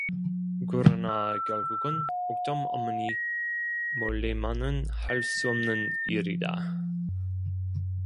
그러나 결국은 옥점 어머니 몰래만은 할 수 없는 일이다.